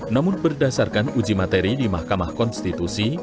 namun berdasarkan uji materi di mahkamah konstitusi